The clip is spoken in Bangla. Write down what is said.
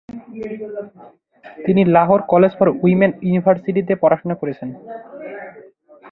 তিনি লাহোর কলেজ ফর উইমেন ইউনিভার্সিটিতে পড়াশোনা করেছেন।